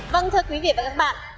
vâng thưa quý vị và các bạn